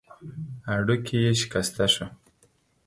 هډوکی يې شکسته شو.